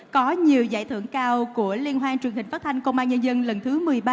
có nhiều giải thưởng cao của liên hoan truyền hình phát thanh công an nhân dân lần thứ một mươi ba